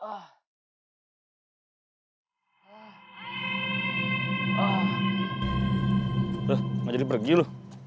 udah maju pergi lu